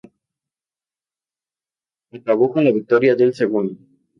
Acabó con la victoria del segundo.